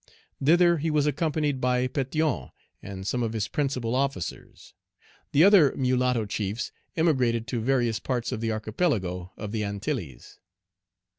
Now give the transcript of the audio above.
Thither he was accompanied by Petion and some of his principal officers. The other mulatto chiefs emigrated to various parts of the archipelago of the Antilles.